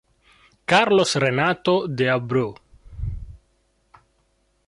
Carlos Renato de Abreu